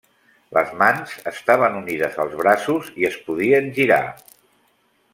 Les mans estaven unides als braços i es podien girar.